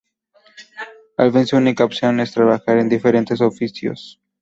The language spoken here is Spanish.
Al fin su única opción es trabajar en diferentes oficios.